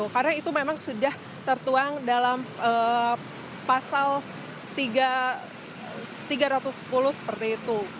karena itu memang sudah tertuang dalam pasal tiga ratus sepuluh seperti itu